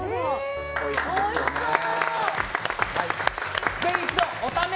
おいしそう。